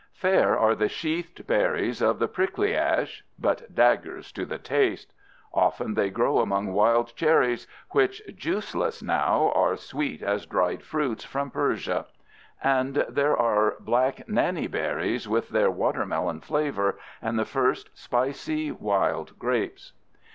Fair are the sheathed berries of the prickly ash—but daggers to the taste. Often they grow among wild cherries, which, juiceless now, are sweet as dried fruits from Persia. And there are the black nannyberries with their watermelon flavor, and the first spicy wild grapes.